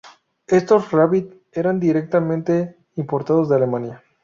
Estos Rabbit eran directamente importados de Alemania.